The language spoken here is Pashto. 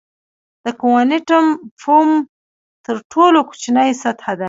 د کوانټم فوم تر ټولو کوچنۍ سطحه ده.